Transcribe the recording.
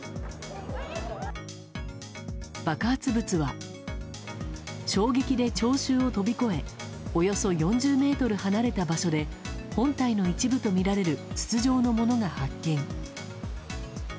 爆発物は衝撃で聴衆を飛び越えおよそ４０ｍ離れた場所で本体の一部とみられる筒状のものが発見。